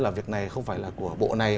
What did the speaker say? là việc này không phải là của bộ này